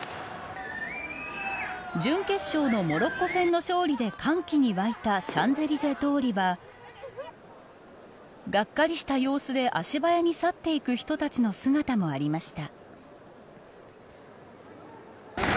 準決勝のモロッコ戦の勝利で歓喜に沸いたシャンゼリゼ通りはがっかりした様子で足早に去っていく人たちの姿もありました。